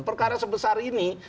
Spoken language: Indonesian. perkara sebesar ini